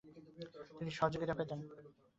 তিনি সহযোগিতা পেতেন ।